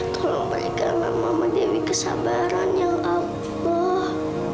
tolong perikalah mama dewi kesabaran yang abah